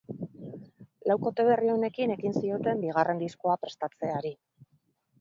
Laukote berri honekin ekin zioten bigarren diskoa prestatzeari.